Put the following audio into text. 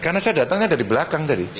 karena saya datangnya dari belakang tadi